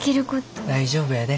大丈夫やで。